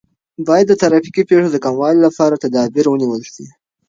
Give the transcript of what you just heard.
باید د ترافیکي پیښو د کموالي لپاره تدابیر ونیول سي.